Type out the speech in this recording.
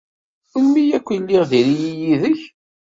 Melmi akk i lliɣ diri-iyi yid-k?